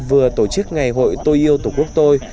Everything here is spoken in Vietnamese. vừa tổ chức ngày hội tôi yêu tổ quốc tôi